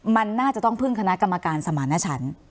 มันน่าจะต้องพึ่งคณะกรรมการสมาณชั้น